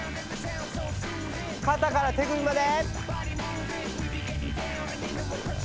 かたから手首まで。